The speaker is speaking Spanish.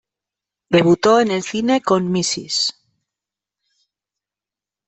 Debutó en el cine con "Mrs.